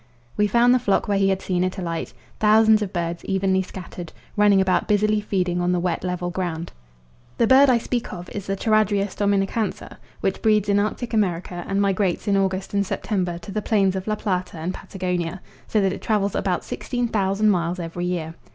We found the flock where he had seen it alight thousands of birds evenly scattered, running about busily feeding on the wet level ground. The bird I speak of is the Charadrius dominicanca, which breeds in Arctic America and migrates in August and September to the plains of La Plata and Patagonia, so that it travels about sixteen thousand miles every year.